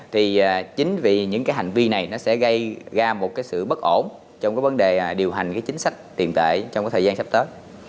thì chính vì những cái hành vi này nó sẽ gây ra một cái sự bất ổn trong cái vấn đề điều hành cái chính sách tiền tệ trong cái thời gian sắp tới